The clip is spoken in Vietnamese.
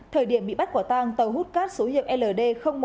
thời điểm bị bắt quả tàng tàu hút cát số hiệu ld một trăm hai mươi sáu